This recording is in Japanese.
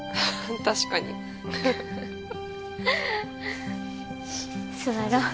確かに座ろう